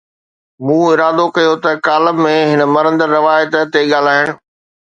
مون ارادو ڪيو ته ڪالم ۾ هن مرندڙ روايت تي ڳالهائڻ.